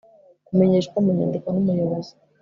kumenyeshwa mu nyandiko n Umuyobozi